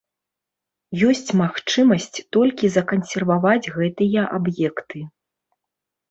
Ёсць магчымасць толькі закансерваваць гэтыя аб'екты.